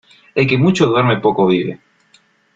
El que mucho duerme poco vive.